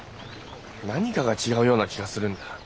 何かが違うような気がするんだ。